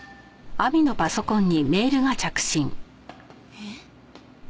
えっ？